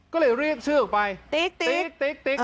ก็เลยเรียกชื่อออกไปติ๊ก